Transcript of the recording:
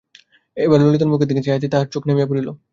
এবার ললিতার মুখের দিকে চাহিতেই তাহার চোখ নামিয়া পড়িল।